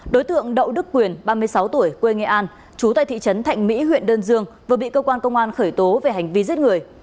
đối tượng đậu đức quyền ba mươi sáu tuổi quê nghệ an chú tại thị trấn thạnh mỹ huyện đơn dương vừa bị cơ quan công an khởi tố về hành vi giết người